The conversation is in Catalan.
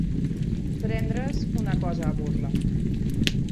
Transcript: Prendre's una cosa a burla.